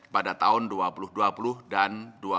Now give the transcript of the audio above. pada tahun dua ribu dua puluh dan dua ribu dua puluh